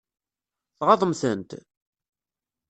Tɣaḍem-tent?